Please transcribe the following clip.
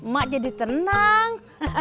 mak jadi tenang